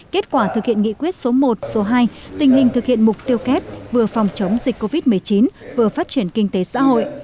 kết quả thực hiện nghị quyết số một số hai tình hình thực hiện mục tiêu kép vừa phòng chống dịch covid một mươi chín vừa phát triển kinh tế xã hội